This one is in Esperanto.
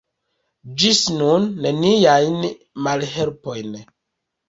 Ĝis nun neniajn malhelpojn.